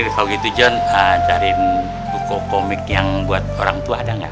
udah kalau gitu jon cariin buku komik yang buat orang tua ada nggak